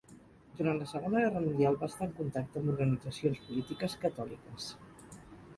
Durant la Segona Guerra Mundial va estar en contacte amb organitzacions polítiques catòliques.